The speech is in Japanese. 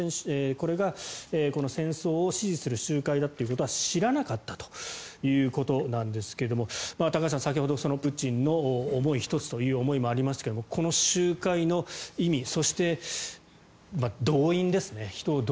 これがこの戦争を支持する集会だということは知らなかったということなんですけれども高橋さん、先ほどプーチンの思いの１つということもありましたがこの集会の意味そして動員ですね。